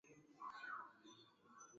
Siku tatu ni za mapumziko